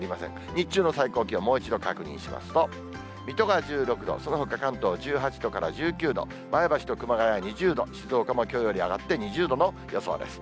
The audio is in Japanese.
日中の最高気温、もう一度確認しますと、水戸が１６度、そのほか関東１８度から１９度、前橋と熊谷は２０度、静岡もきょうより上がって２０度の予想です。